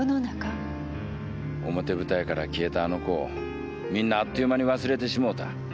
表舞台から消えたあの子をみんなあっという間に忘れてしもうた。